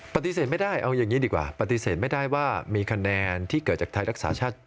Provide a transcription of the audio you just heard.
ปฏิเสธไม่ได้เอาอย่างนี้ดีกว่าปฏิเสธไม่ได้ว่ามีคะแนนที่เกิดจากไทยรักษาชาติ